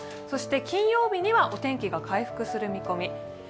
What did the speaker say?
そして金曜日にはお天気が回復する見込み。